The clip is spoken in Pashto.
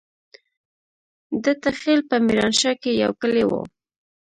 دته خېل په ميرانشاه کې يو کلی وو.